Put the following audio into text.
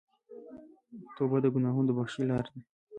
توبه د ګناهونو د بخښنې لاره ده.